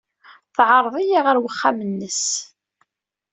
Teɛreḍ-iyi ɣer uxxam-nnes.